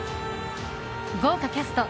豪華キャスト